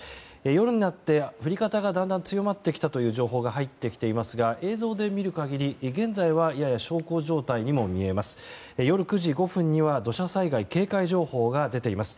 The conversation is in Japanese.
夜になって降り方がだんだん強まってきたという情報が入ってきていますが映像で見る限り現在はやや小康状態にも見えます。